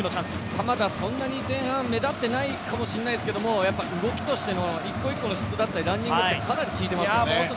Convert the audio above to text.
鎌田、そんなに前半目立ってないかもしれないですけど、動きとしての一個一個の質だったりランニングっていうのはかなりきいていますね。